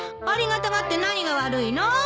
ありがたがって何が悪いの？